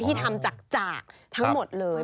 ที่ทำจากทั้งหมดเลย